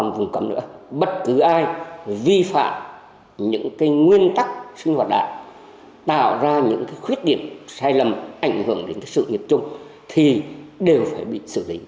và vùng cầm nữa bất cứ ai vi phạm những nguyên tắc sinh hoạt đạo tạo ra những khuyết điểm sai lầm ảnh hưởng đến sự nghiệp chung thì đều phải bị xử lý